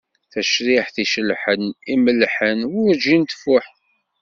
Tacriḥt icellḥen imellḥen, werǧin tfuḥ.